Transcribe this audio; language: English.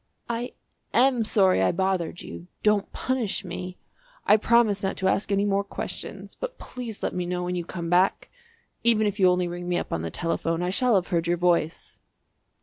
"I am sorry I bothered you; don't punish me. I promise not to ask any more questions, but please let me know when you come back. Even if you only ring me up on the telephone I shall have heard your voice!"